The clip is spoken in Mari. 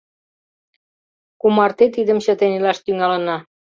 Кумарте тидым чытен илаш тӱҥалына!?